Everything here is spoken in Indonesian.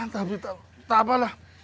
tapi tak apa lah